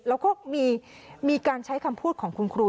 แล้วก็มีการใช้คำพูดของคุณครู